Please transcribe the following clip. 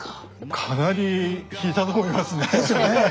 かなり引いたと思いますね。ですよね。